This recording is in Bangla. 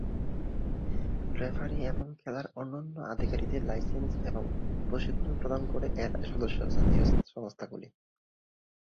রেফারি এবং খেলার অন্যান্য আধিকারিকদের লাইসেন্স এবং প্রশিক্ষণ প্রদান করে এর সদস্য জাতীয় সংস্থাগুলি।